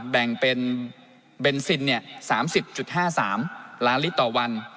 แบ่งเป็นเบนซิน๓๐๕๓ล้านลิตรต่อวัน